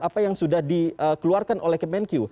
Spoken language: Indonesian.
apa yang sudah dikeluarkan oleh kemenkyu